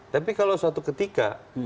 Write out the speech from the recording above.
tapi kalau suatu ketika